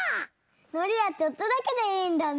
のりはちょっとだけでいいんだね！